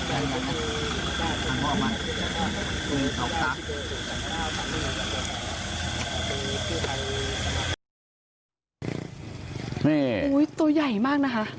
โอ้โหโอ้โคตรใหญ่มากนะฮะ